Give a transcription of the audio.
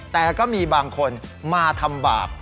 แต่ก็มีบางคนมาทำบาป